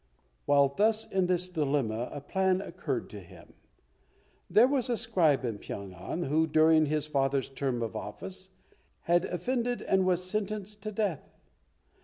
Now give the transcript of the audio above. While thus in this dilemma a plan occurred to him. There was a scribe in Pyong an, who, during his father's term of office, had offended, and was sentenced to death.